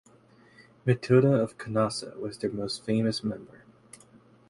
Matilda of Canossa was their most famous member.